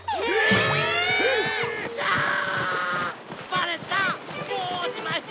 バレた！